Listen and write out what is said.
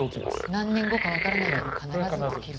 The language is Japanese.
何年後か分からないけど必ず起きる。